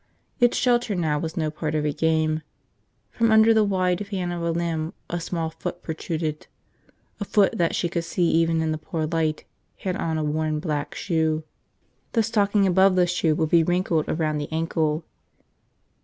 Its shelter now was no part of a game. From under the wide fan of a limb a small foot protruded, a foot that she could see even in the poor light had on a worn black shoe. The stocking above the shoe would be wrinkled around the ankle.